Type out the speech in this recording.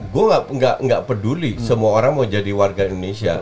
saya nggak peduli semua orang mau jadi warga indonesia